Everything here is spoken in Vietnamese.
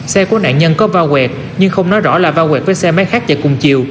xe của nạn nhân có va quẹt nhưng không nói rõ là va quẹt với xe máy khác chạy cùng chiều